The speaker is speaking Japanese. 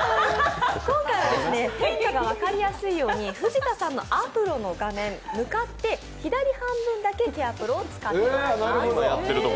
今回は変化が分かりやすいように藤田さんのアフロの画面、向かって左半分だけＣＡＲＥＰＲＯを使っていただきます。